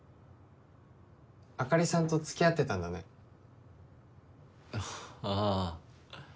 あかりさんと付き合ってたんだねああ